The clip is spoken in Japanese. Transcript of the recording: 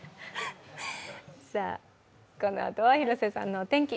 このあとは広瀬さんのお天気。